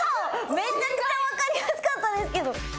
めちゃくちゃわかりやすかったですけど。